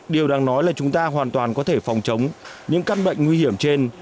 điều đáng nói là chúng ta hoàn toàn có thể phòng chống những căn bệnh nguy hiểm trên